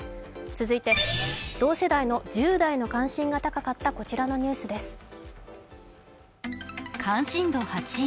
続いて同世代の１０代の関心が高かったこちらのニュースです。